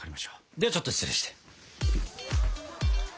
ではちょっと失礼して。